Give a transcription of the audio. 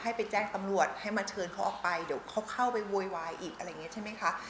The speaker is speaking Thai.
ให้ไปแจ้งตำรวจให้มาเชิญเขาออกไปเดี๋ยวเขาเข้าไปโวยวายอีกอะไรอย่างนี้ใช่ไหมคะ